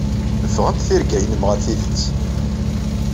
Ffɣent tirga-nnem ɣer tidet.